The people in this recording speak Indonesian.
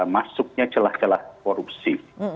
masuknya celah celah korupsi